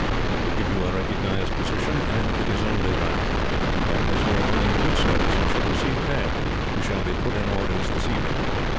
It will give you a recognised position, and it is only right that, as you are doing good service, you should receive pay. You shall be put in orders this evening.